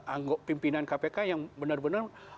anggota pimpinan kpk yang benar benar